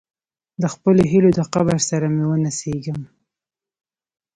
د خپلو هیلو د قبر سره مې ونڅیږم.